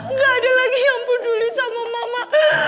nggak ada lagi yang peduli sama mama